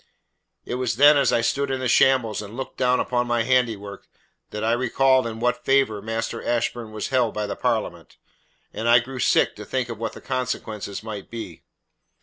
"It was then as I stood in that shambles and looked down upon my handiwork that I recalled in what favour Master Ashburn was held by the Parliament, and I grew sick to think of what the consequences might be.